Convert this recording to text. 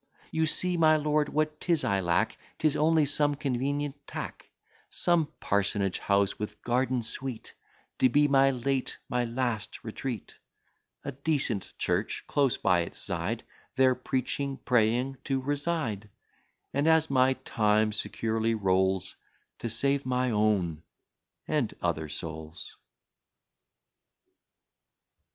You see, my lord, what 'tis I lack, 'Tis only some convenient tack, Some parsonage house with garden sweet, To be my late, my last retreat; A decent church, close by its side, There, preaching, praying, to reside; And as my time securely rolls, To save my own and other souls.